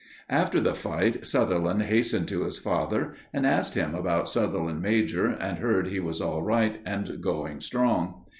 After the fight, Sutherland hastened to his father and asked him about Sutherland major and heard he was all right and going strong.